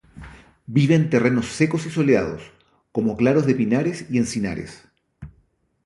Vive en terrenos secos y soleados, como claros de pinares y encinares.